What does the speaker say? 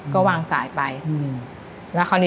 ก็วางสายไป